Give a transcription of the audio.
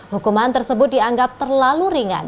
hukuman tersebut dianggap terlalu ringan